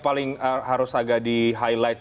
paling harus agak di highlight